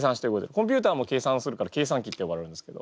コンピューターも計算するから計算機ってよばれるんですけど。